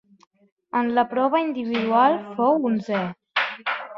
En la prova individual fou onzè.